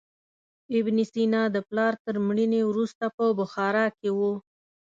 ابن سینا د پلار تر مړینې وروسته په بخارا کې و.